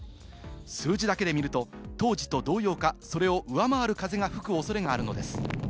数字だけで見ると、当時と同様か、それを上回る風が吹くおそれがあるのです。